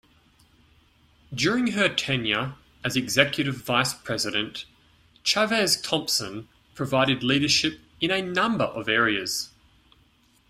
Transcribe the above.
During her tenure as executive vice-president, Chavez-Thompson provided leadership in a number of areas.